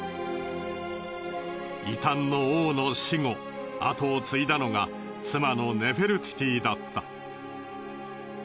異端の王の死後跡を継いだのが妻のネフェルティティだった。